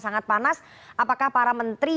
sangat panas apakah para menteri